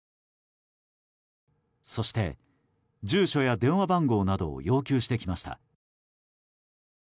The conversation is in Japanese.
そして、住所や電話番号などを要求してきました。